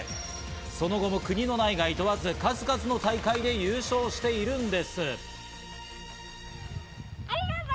その後も国の内外問わず、数々の大会で優勝しているんです。